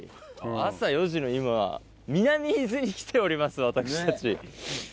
朝４時の今南伊豆に来ております私たち。